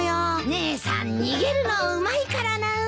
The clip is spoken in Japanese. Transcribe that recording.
姉さん逃げるのうまいからなぁ。